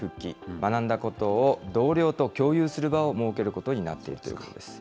学んだことを同僚と共有する場を設けることになっているそうです。